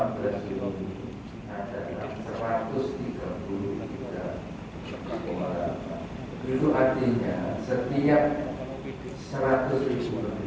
terus meningkat yang di sebanyak dua dua ratus lima puluh empat pasien